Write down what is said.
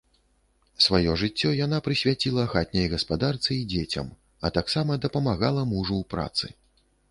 Сваё жыццё яна прысвяціла хатняй гаспадарцы і дзецям, а таксама дапамагала мужу ў працы.